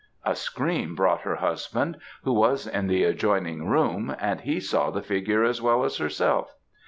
A scream brought her husband, who was in the adjoining room, and he saw the figure as well as herself.